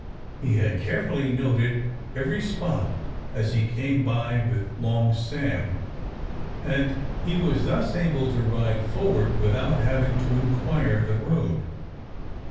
He had carefully noted every spot as he came by with Long Sam, and he was thus able to ride forward without having to inquire the road.